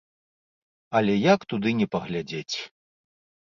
Але як туды не паглядзець.